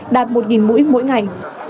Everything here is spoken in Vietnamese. đạt một mũi mỗi ngày